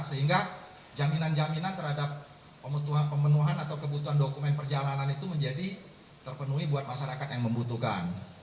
sehingga jaminan jaminan terhadap pemenuhan atau kebutuhan dokumen perjalanan itu menjadi terpenuhi buat masyarakat yang membutuhkan